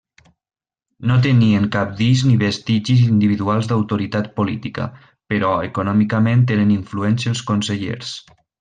No tenien cabdills ni vestigis individuals d'autoritat política, però econòmicament eren influents els consellers.